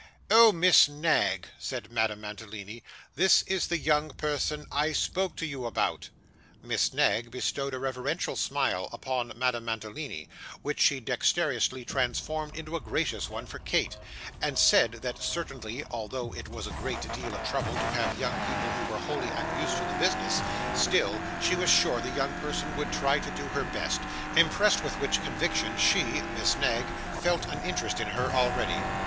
'Oh, Miss Knag,' said Madame Mantalini, 'this is the young person I spoke to you about.' Miss Knag bestowed a reverential smile upon Madame Mantalini, which she dexterously transformed into a gracious one for Kate, and said that certainly, although it was a great deal of trouble to have young people who were wholly unused to the business, still, she was sure the young person would try to do her best impressed with which conviction she (Miss Knag) felt an interest in her, already.